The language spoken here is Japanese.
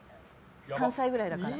３歳ぐらいだから。